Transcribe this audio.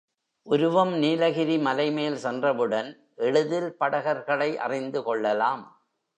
உருவம் நீலகிரி மலைமேல் சென்றவுடன் எளிதில் படகர்களை அறிந்து கொள்ளலாம்.